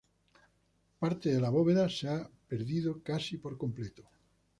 Parte de la bóveda se ha perdido casi por completo.